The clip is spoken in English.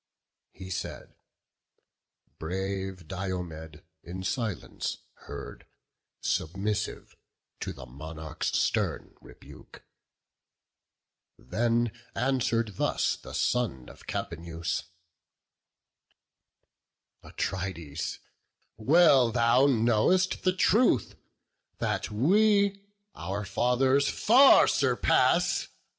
He said: brave Diomed in silence heard, Submissive to the monarch's stern rebuke; Then answer'd thus the son of Capaneus: "Atrides, speak not falsely: well thou know'st The truth, that we our fathers far surpass.